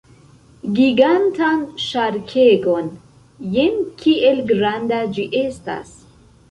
Gigantan ŝarkegon! Jen kiel granda ĝi estas!